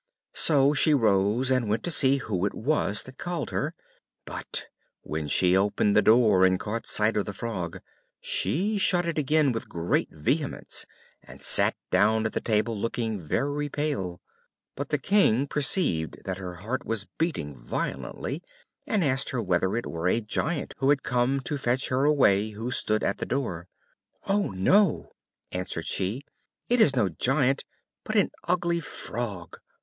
So she rose and went to see who it was that called her; but when she opened the door and caught sight of the Frog, she shut it again with great vehemence, and sat down at the table, looking very pale. But the King perceived that her heart was beating violently, and asked her whether it were a giant who had come to fetch her away who stood at the door. "Oh, no!" answered she; "it is no giant, but an ugly Frog."